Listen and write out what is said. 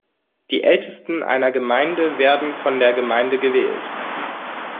Die Ältesten einer Gemeinde werden von der Gemeinde gewählt.